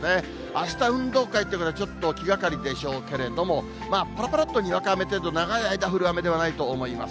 あした運動会という方、ちょっと気がかりでしょうけれども、まあ、ぱらぱらっとにわか雨程度、長い間、降る雨ではないと思いま